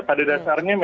pada dasarnya memang